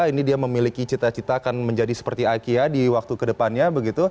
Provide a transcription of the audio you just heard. ini dia memiliki cita cita akan menjadi seperti akia di waktu kedepannya begitu